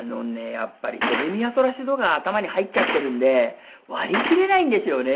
やっぱり「ドレミファソラシド」が頭に入っちゃってるんで割り切れないんですよね。